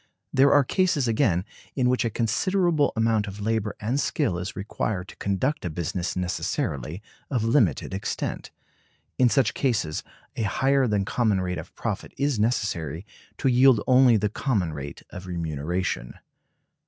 There are cases, again, in which a considerable amount of labor and skill is required to conduct a business necessarily of limited extent. In such cases a higher than common rate of profit is necessary to yield only the common rate of remuneration.